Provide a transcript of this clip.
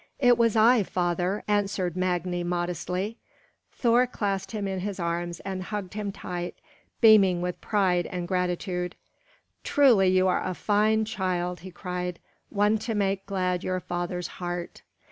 "It was I, father," answered Magni modestly. Thor clasped him in his arms and hugged him tight, beaming with pride and gratitude. "Truly, you are a fine child!" he cried; "one to make glad your father's heart.